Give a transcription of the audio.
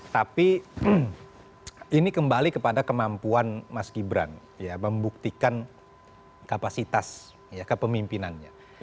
tapi ini kembali kepada kemampuan mas gibran ya membuktikan kapasitas ya kepemimpinannya